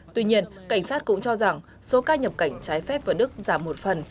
tuy nhiên cảnh sát cũng cho rằng số ca nhập cảnh trái phép vào đức giảm một phần